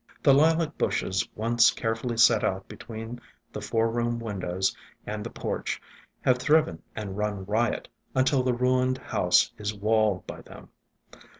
The Lilac bushes once carefully set out between the foreroom windows and the porch have thriven and run riot, until the ruined house is walled by them.